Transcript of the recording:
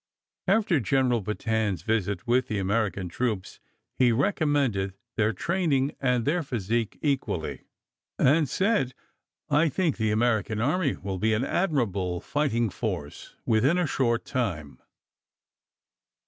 After General Petain's visit with the American troops, he recommended their training and their physique equally, and said: "I think the American Army will be an admirable fighting force within a short time."